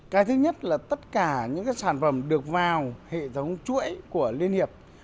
cái thứ nhất là tất cả những cái sản phẩm được vào hệ thống chuỗi của liên hiệp